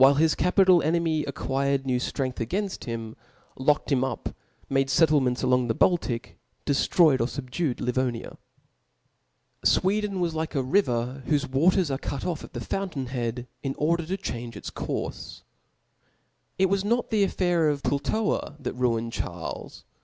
. io9 whilft his capital enemy acquired new ftrength Book againft him, locked him up, made fettlemchtscha^'13, along the Baltic^ deftroyed or fubdued Livonia. Sweden was like a river, whofe waters are cut off at the fountain head, in order to change its courfe. It was not the affair of Pultova that ruined Charles.